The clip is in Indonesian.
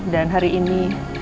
dan hari ini